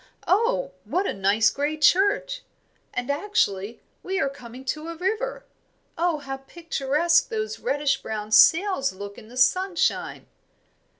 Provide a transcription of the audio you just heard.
Oh, what a nice grey church! And actually, we are coming to a river. Oh, how picturesque those reddish brown sails look in the sunshine!"